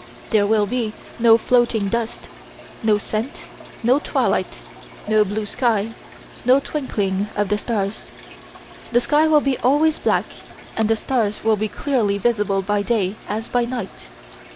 There will be no floating dust, no scent, no twilight, no blue sky, no twinkling of the stars. The sky will be always black and the stars will be clearly visible by day as by night.